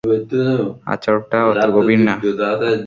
আচড়টা অত গভীর না!